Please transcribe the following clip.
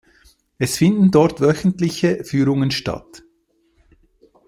Es finden dort wöchentliche Führungen statt.